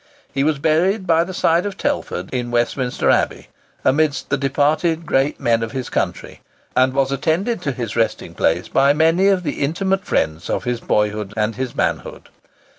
He was buried by the side of Telford in Westminster Abbey, amidst the departed great men of his country, and was attended to his resting place by many of the intimate friends of his boyhood and his manhood.